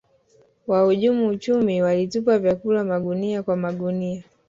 wahujumu uchumi walitupa vyakula magunia kwa magunia